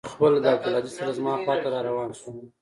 پخپله له عبدالهادي سره زما خوا ته راروان سو.